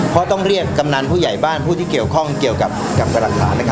เพราะต้องเรียกกำนันผู้ใหญ่บ้านผู้ที่เกี่ยวข้องเกี่ยวกับหลักฐาน